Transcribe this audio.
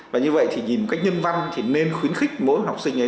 và như vậy thì nhìn một cách nhân văn thì nên khuyến khích mỗi học sinh ấy